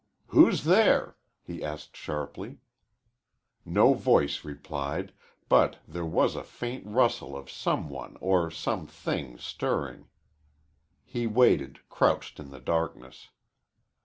"Who's there?" he asked sharply. No voice replied, but there was a faint rustle of some one or some thing stirring. He waited, crouched in the darkness.